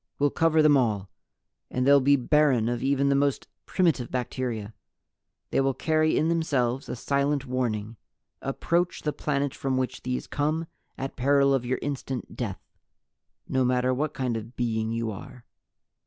We'll cover them all. And they'll be barren of even the most primitive bacteria. They will carry in themselves a silent warning: 'Approach the planet from which these come at peril of your instant death ... not matter what kind of being you are!'